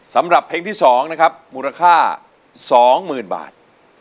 สำหรับเพลงที่๒นะครับมูลค่า๒๐๐๐บาท